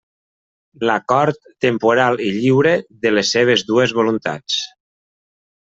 L'acord temporal i lliure de les seves dues voluntats.